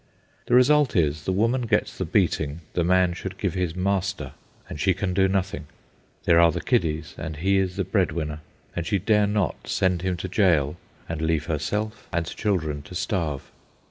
The result is, the woman gets the beating the man should give his master, and she can do nothing. There are the kiddies, and he is the bread winner, and she dare not send him to jail and leave herself and children to starve.